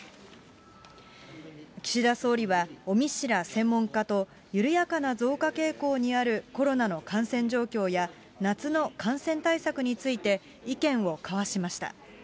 岸田総理は、尾身氏ら専門家と緩やかな増加傾向にあるコロナの感染状況や、夏の感染対策について、意見を交わしました。